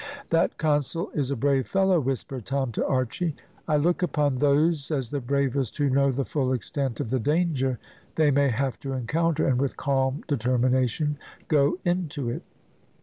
"That consul is a brave fellow," whispered Tom to Archy; "I look upon those as the bravest who know the full extent of the danger they may have to encounter, and with calm determination go into it."